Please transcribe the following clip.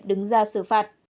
đừng ra xử phạt